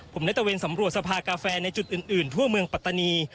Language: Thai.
ผมได้ตะเวนสำรวจสภากาแฟในจุดอื่นทั่วเมืองปัตตานี